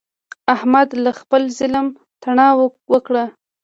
احمد له خپله ظلمه نټه وکړه.